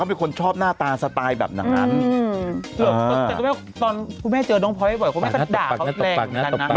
แล้วก็ชอบหน้าตาสไตล์นั้นใช่มะ